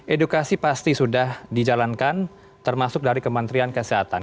edukasi pasti sudah dijalankan termasuk dari kementerian kesehatan